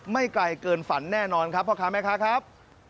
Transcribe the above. ไกลเกินฝันแน่นอนครับพ่อค้าแม่ค้าครับ